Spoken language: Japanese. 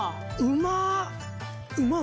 うまっ